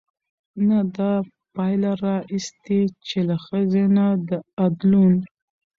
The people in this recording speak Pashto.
نه دا پايله راايستې، چې له ښځې نه د ادلون